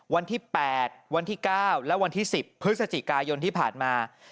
วันที่๘วันที่๙และวันที่๑๐พฤศจิกายนที่ผ่านมา